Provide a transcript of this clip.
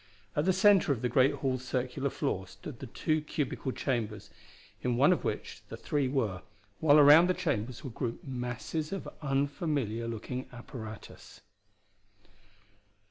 At the center of the great hall's circular floor stood the two cubical chambers in one of which the three were, while around the chambers were grouped masses of unfamiliar looking apparatus.